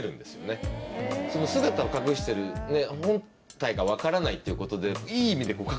姿を隠してる本体が分からないということで。